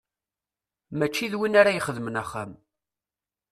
Mačči d win ara ixedmen axxam.